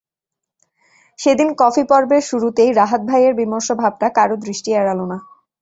সেদিন কফি পর্বের শুরুতেই রাহাত ভাইয়ের বিমর্ষ ভাবটা কারও দৃষ্টি এড়াল না।